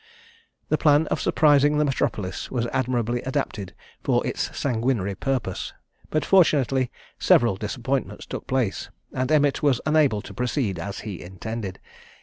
The plan of surprising the metropolis was admirably adapted for its sanguinary purpose; but fortunately several disappointments took place, and Emmet was unable to proceed as he intended.